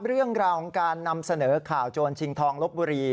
เรื่องราวของการนำเสนอข่าวโจรชิงทองลบบุรี